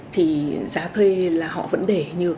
thì giá thuê là họ vẫn để như